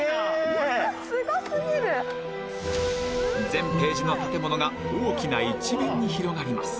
全ページの建物が大きな１面に広がります